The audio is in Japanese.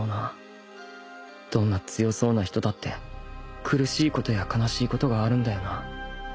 どんな強そうな人だって苦しいことや悲しいことがあるんだよな